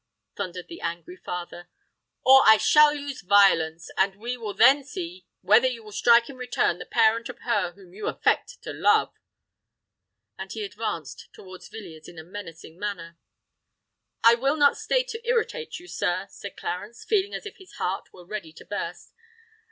thundered the angry father; "or I shall use violence—and we will then see whether you will strike in return the parent of her whom you affect to love!" And he advanced towards Villiers in a menacing manner. "I will not stay to irritate you, sir," said Clarence, feeling as if his heart were ready to burst.